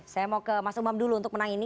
saya mau ke mas umam dulu untuk menang ini